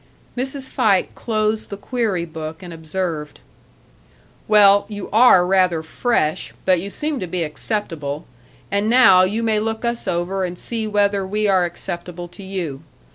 Mrs. Fike closed the query book, and observed: "Well, you are rather fresh, but you seem to be acceptable and now you may look us over and see whether we are acceptable to you.